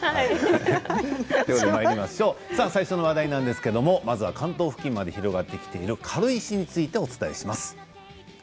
最初の話題は、まずは関東付近まで広がってきている軽石についてお伝えします。